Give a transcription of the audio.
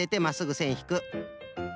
せんひく。